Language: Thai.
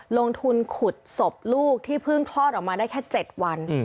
ลงทุนขุดศพลูกที่เพิ่งคลอดออกมาได้แค่๗วัน